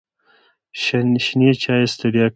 شنې چایی ستړیا کموي.